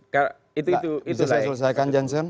bisa saya selesaikan jansen